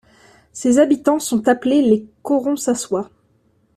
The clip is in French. Ses habitants sont appelés les Corronsacois.